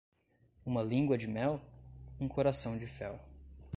Uma língua de mel? um coração de fel